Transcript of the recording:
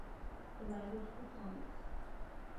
The Language of Comics.